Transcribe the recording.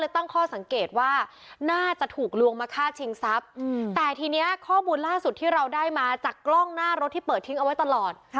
แต่ทีนี้ข้อบูลล่าสุดที่เราได้มาจากกล้องหน้ารถที่เปิดทิ้งเอาไว้ตลอด